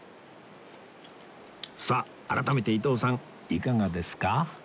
さあ改めて伊東さんいかがですか？